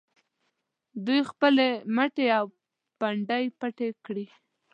دوی خپلې مټې او پنډۍ پټې کړي.